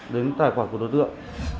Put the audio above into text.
đến tài quản của đối tượng